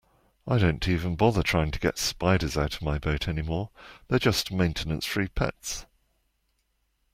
I don't even bother trying to get spiders out of my boat anymore, they're just maintenance-free pets.